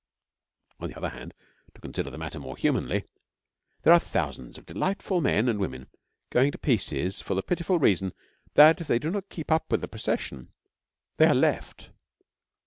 On the other hand, to consider the matter more humanly, there are thousands of delightful men and women going to pieces for the pitiful reason that if they do not keep up with the procession, 'they are left.'